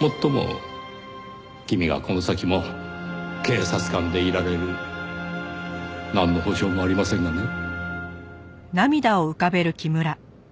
もっとも君がこの先も警察官でいられるなんの保証もありませんがね。